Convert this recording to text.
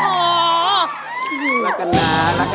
ด้านล่างเขาก็มีความรักให้กันนั่งหน้าตาชื่นบานมากเลยนะคะ